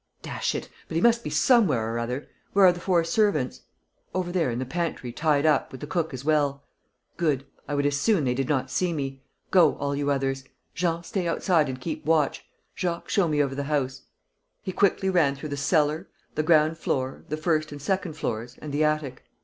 "Dash it! But he must be somewhere or other. Where are the four servants?" "Over there, in the pantry, tied up, with the cook as well." "Good. I would as soon they did not see me. Go all you others. Jean, stay outside and keep watch: Jacques, show me over the house." He quickly ran through the cellar, the ground floor, the first and second floors and the attic.